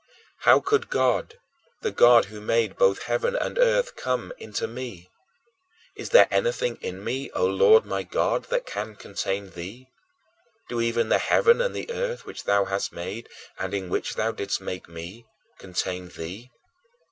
How could God, the God who made both heaven and earth, come into me? Is there anything in me, O Lord my God, that can contain thee? Do even the heaven and the earth, which thou hast made, and in which thou didst make me, contain thee?